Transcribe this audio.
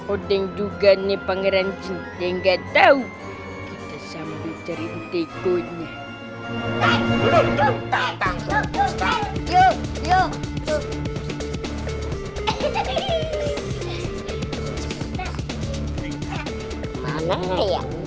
odeng juga nih pangeran jin deng gatau kita sambil cari tegonya